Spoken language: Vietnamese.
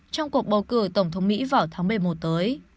trong cuộc bầu cử tổng thống mỹ vào tháng một mươi một tới